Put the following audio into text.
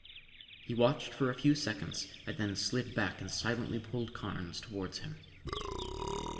He watched for a few seconds and then slid back and silently pulled Carnes toward him.